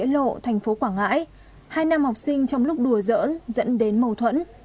trong lúc giải lộ thành phố quảng ngãi hai nam học sinh trong lúc đùa giỡn dẫn đến mâu thuẫn